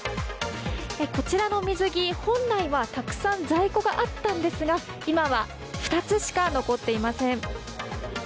こちらの水着、本来はたくさん在庫があったんですが今は２つしか残っていません。